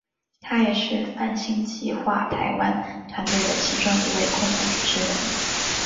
他也是泛星计画台湾团队的其中一位共同主持人。